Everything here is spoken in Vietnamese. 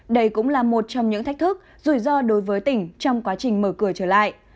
đây cũng là một trong những thách thức rủi ro đối với tỉnh trong quá trình mở cửa trở lại